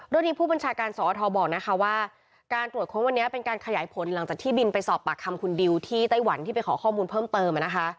ที่ผู้บัญชาการสอทบอกนะคะว่าการตรวจค้นวันนี้เป็นการขยายผลหลังจากที่บินไปสอบปากคำคุณดิวที่ไต้หวันที่ไปขอข้อมูลเพิ่มเติม